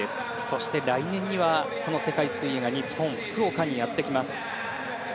そして来年にはこの世界水泳が日本・福岡にやってきます。